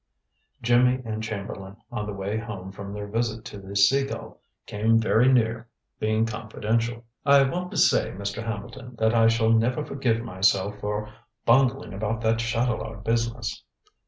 Jimmy and Chamberlain, on the way home from their visit to the Sea Gull, came very near being confidential. "I want to say, Mr. Hambleton, that I shall never forgive myself for bungling about that Chatelard business."